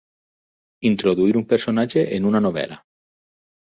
Introduir un personatge en una novel·la.